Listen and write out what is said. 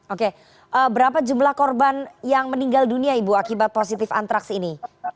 oke berapa jumlah korban yang meninggal dunia ibu akibat positif antraks ini